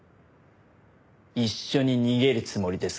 一緒に逃げるつもりですか？